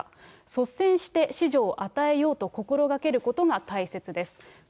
率先して子女を与えようと心がけることが大切です。